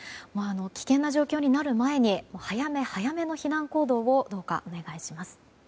危険な状況になる前に早め早めの避難行動をどうかお願いします。